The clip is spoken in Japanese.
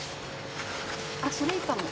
あっそれいいかも。